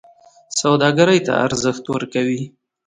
سوداګرۍ ته ارزښت ورکوي.